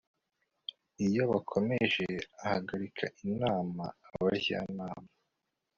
iyo bakomeje ahagarika inama abajyanama